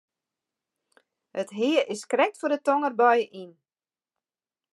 It hea is krekt foar de tongerbui yn.